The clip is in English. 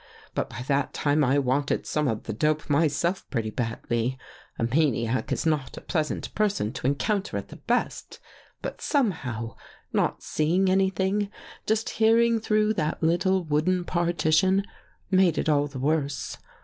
" But by that time I wanted some of the dope myself pretty badly. A maniac is not a pleasant person to encounter at the best, but somehow, not seeing anything, just hearing through that little wooden partition, made it all the worse.